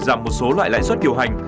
giảm một số loại lãi suất điều hành